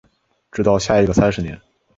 直到下一个三十年